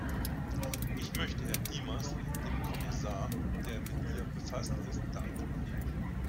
Ich möchte Herrn Dimas, dem Kommissar, der mit ihr befasst ist, danken.